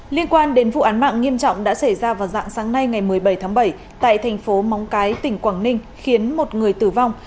liên quan đến vụ án mạng nghiêm trọng đã xảy ra vào dạng sáng nay ngày một mươi bảy tháng bảy tại thành phố móng cái tỉnh quảng ninh khiến một người tử vong